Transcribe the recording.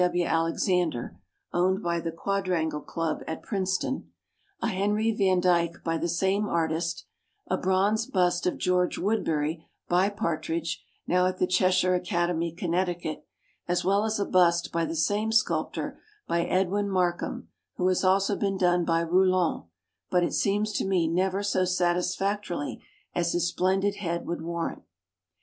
W. Alexander (owned by the Quadrangle Club at Princeton), a Henry van Dyke by the same artist, a bronze bust of George Woodberry by Partridge, now at the Cheshire Acad emy, Connecticut, as well as a bust by the same sculptor by Edwin Mark ham, who has also been done by Rou land, but, it seems to me, never so sat isfactorily as his splendid head would warrant.